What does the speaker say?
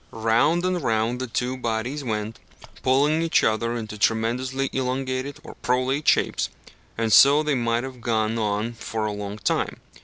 Round and round the two bodies went, pulling each other into tremendously elongated or prolate shapes, and so they might have gone on for a long time.